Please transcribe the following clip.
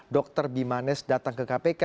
dr bimanes datang ke kpk